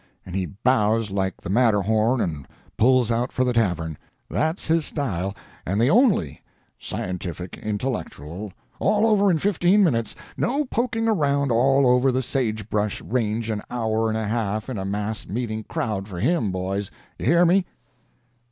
And he bows like the Matterhorn, and pulls out for the tavern. That's his style, and the Only scientific, intellectual all over in fifteen minutes no poking around all over the sage brush range an hour and a half in a mass meeting crowd for him, boys you hear me!"